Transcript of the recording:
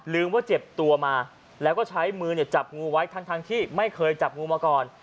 ว่าเจ็บตัวมาแล้วก็ใช้มือจับงูไว้ทั้งที่ไม่เคยจับงูมาก่อน